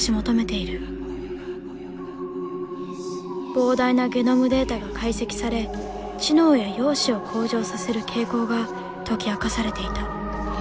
膨大なゲノムデータが解析され知能や容姿を向上させる傾向が解き明かされていた。